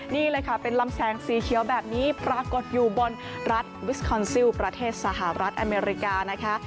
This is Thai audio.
นี่เลยค่ะเป็นลำแสงสีเขียวแบบนี้ปรากฏอยู่บนรัฐวิสคอนซิลประเทศสหรัฐอเมริกานะคะ